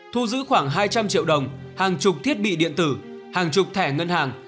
thu giữ khoảng hai trăm linh triệu đồng hàng chục thiết bị điện tử hàng chục thẻ ngân hàng